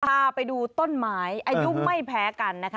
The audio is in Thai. พาไปดูต้นไม้อายุไม่แพ้กันนะคะ